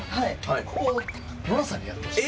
ここをののさんにやってほしい。